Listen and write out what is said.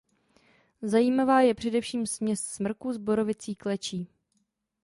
Zajímavá je především směs smrku s borovicí klečí.